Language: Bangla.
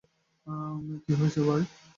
কি হইসে ভাই?